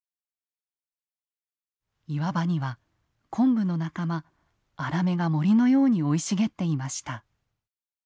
岩場にはコンブの仲間アラメが森のように生い茂っていました。